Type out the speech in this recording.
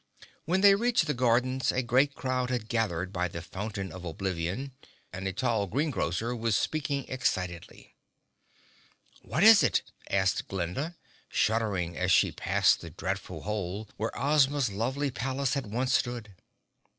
When they reached the gardens a great crowd had gathered by the Fountain of Oblivion and a tall green grocer was speaking excitedly. "What is it?" asked Glinda, shuddering as she passed the dreadful hole where Ozma's lovely palace had once stood.